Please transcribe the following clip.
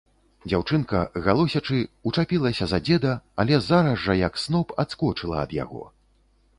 Дзяўчынка, галосячы, учапілася за дзеда, але зараз жа, як сноп, адскочыла ад яго.